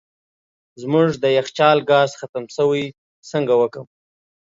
زموږ د یخچال ګاز ختم سوی څنګه وکم